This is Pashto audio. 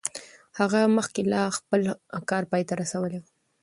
هغه مخکې لا خپل کار پای ته رسولی و.